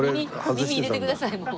耳入れてくださいもう。